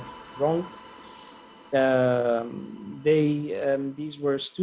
ini adalah pelajar yang berkata dari madrasah